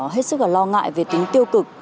hết sức lo ngại về tính tiêu cực